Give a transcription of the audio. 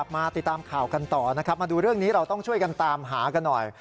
มาติดตามข่าวกันต่อนะครับมาดูเรื่องนี้เราต้องช่วยกันตามหากันหน่อย